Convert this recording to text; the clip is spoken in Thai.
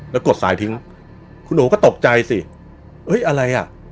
แล้วกดสายทิ้งคุณหนูก็ตกใจสิเอ้ยอะไรอ่ะ